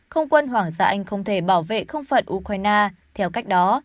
không quân hoàng gia anh không thể bảo vệ không phận ukraine theo cách đó